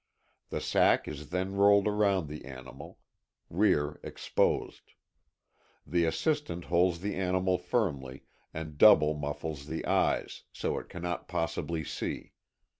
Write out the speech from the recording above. The sack is then rolled around the animal; rear exposed. The assistant holds the animal firmly and double muffles the eyes, so it cannot possibly see.